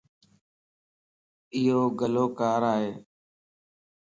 ايو گلو ڪار ائي